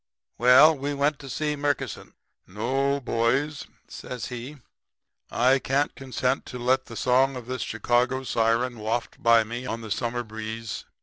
"Well, we went to see Murkison. "'No, boys,' says he. 'I can't consent to let the song of this Chicago siren waft by me on the summer breeze.